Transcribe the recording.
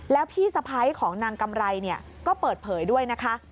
แล้วพี่สะพ้ายของนางกำไรก็เปิดเผยด้วยนะคะ